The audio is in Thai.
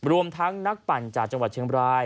รวมทั้งนักปั่นจากจังหวัดเชียงบราย